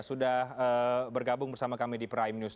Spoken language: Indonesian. sudah bergabung bersama kami di prime news